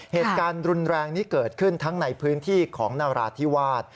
เหตุการณ์รุนแรงนี้เกิดขึ้นทั้งในพื้นที่ของนราธิวาส